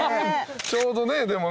ちょうどねでもね。